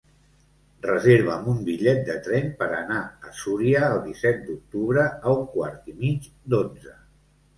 Reserva'm un bitllet de tren per anar a Súria el disset d'octubre a un quart i mig d'onze.